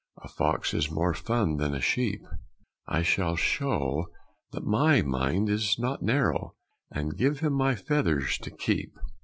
A fox is more fun than a sheep! I shall show that my mind is not narrow And give him my feathers to keep."